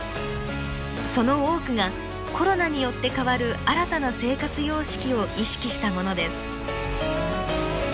その多くがコロナによって変わる新たな生活様式を意識したものです。